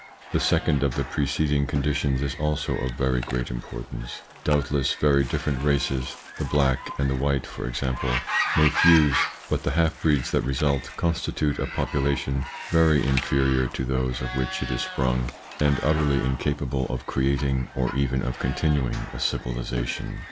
The second of the preceding conditions is also of very great importance. Doubtless very different races, the black and the white for example, may fuse, but the half breeds that result constitute a population very inferior to those of which it is sprung, and utterly incapable of creating, or even of continuing, a civilisa tion.